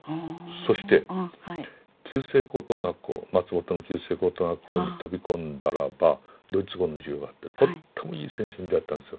そして旧制高等学校松本の旧制高等学校に飛び込んだらばドイツ語の授業があってとってもいい先生に出会ったんですよ。